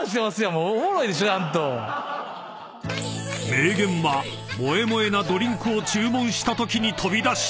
［名言は萌え萌えなドリンクを注文したときに飛び出した］